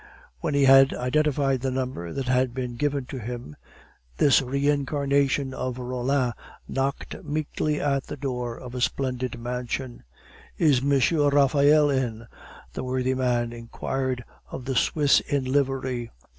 When he had identified the number that had been given to him, this reincarnation of Rollin knocked meekly at the door of a splendid mansion. "Is Monsieur Raphael in?" the worthy man inquired of the Swiss in livery.